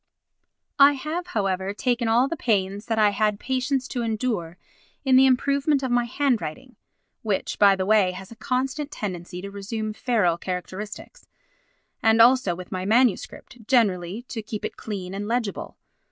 I have, however, taken all the pains that I had patience to endure in the improvement of my handwriting (which, by the way, has a constant tendency to resume feral characteristics) and also with my MS. generally to keep it clean and legible.